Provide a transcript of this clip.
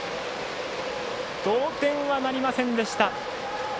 同点はなりませんでした。